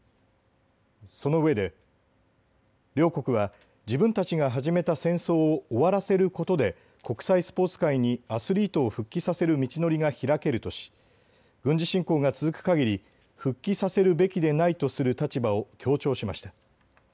そのうえで両国は自分たちが始めた戦争を終わらせることで国際スポーツ界にアスリートを復帰させる道のりが開けるとし軍事侵攻が続くかぎり復帰させるべきでないとする立場を強調しました。